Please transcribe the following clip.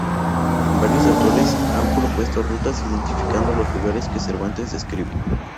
Varios autores han propuesto rutas, identificando los lugares que Cervantes describe.